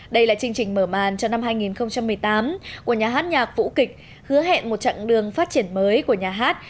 đây là chương trình mở màn cho năm hai nghìn một mươi tám của nhà hát nhạc vũ kịch hứa hẹn một chặng đường phát triển mới của nhà hát